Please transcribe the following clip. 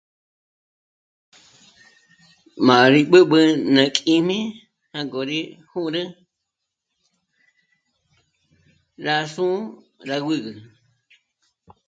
Má rí b'ǚb'ü ná kíjmi jângo rí jū̂rü rá sô'o rá b'ǚgü